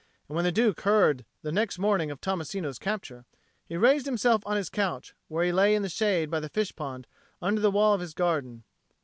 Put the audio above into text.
And when the Duke heard the next morning of Tommasino's capture, he raised himself on his couch, where he lay in the shade by the fish pond under the wall of his garden.